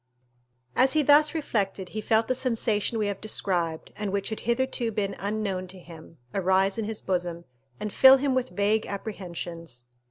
As he thus reflected, he felt the sensation we have described, and which had hitherto been unknown to him, arise in his bosom, and fill him with vague apprehensions.